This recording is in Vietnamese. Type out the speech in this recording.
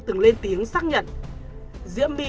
từng lên tiếng xác nhận diễm my